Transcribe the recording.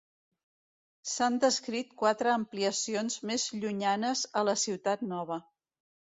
S'han descrit quatre ampliacions més llunyanes a la Ciutat Nova.